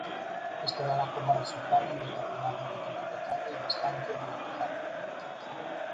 Esto dará como resultado un determinado nivel de detalle y distancia de dibujado.